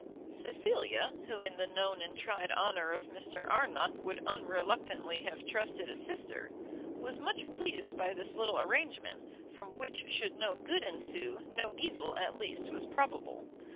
Cecilia, who in the known and tried honour of Mr Arnott would unreluctantly have trusted a sister, was much pleased by this little arrangement, from which should no good ensue, no evil, at least, was probable.